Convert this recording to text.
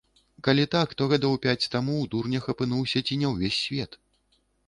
Калі так, то гадоў пяць таму ў дурнях апынуўся ці не ўвесь свет.